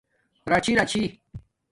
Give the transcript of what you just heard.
راچی راچی